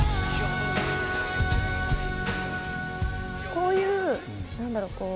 こういう何だろう